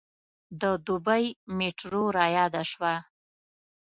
د دبۍ میټرو رایاده شوه.